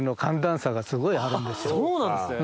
そうなんですね！